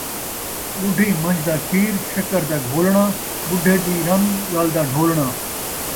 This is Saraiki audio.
ٻڈھی منجھ دا کھیر شکر دا گھولݨا، ٻڈھے دی رن ڳل دا ڈھولݨا